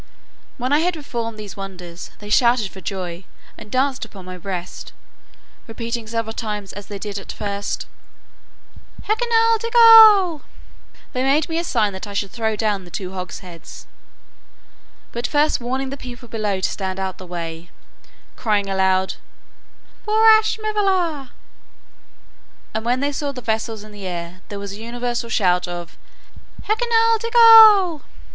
When I had performed these wonders, they shouted for joy, and danced upon my breast, repeating several times as they did at first, Hekinah degul. They made me a sign that I should throw down the two hogsheads, but first warning the people below to stand out of the way, crying aloud, Borach mevolah; and when they saw the vessels in the air, there was a universal shout of Hekinah degul.